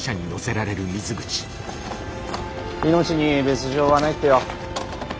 命に別状はないってよ。